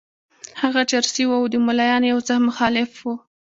هغه چرسي وو او د ملایانو یو څه مخالف وو.